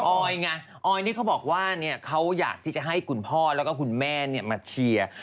ออยไงออยนี่เขาบอกว่าเขาอยากที่จะให้คุณพ่อแล้วก็คุณแม่มาเชียร์